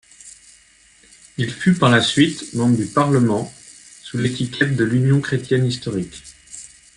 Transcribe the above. Il fut par la suite membre du Parlement sous l'étiquette de l'Union chrétienne historique.